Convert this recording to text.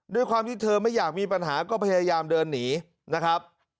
ด้วยความที่เธอไม่อยากมีปัญหาก็พยายามเดินหนีนะครับ